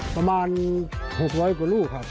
ประมาณ๖๐๐กว่าลูกครับ